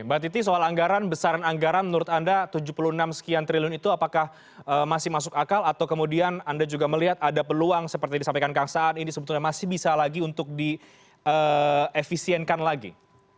mbak titi soal anggaran besaran anggaran menurut anda tujuh puluh enam sekian triliun itu apakah masih masuk akal atau kemudian anda juga melihat ada peluang seperti disampaikan kang saan ini sebetulnya masih bisa lagi untuk diefisienkan lagi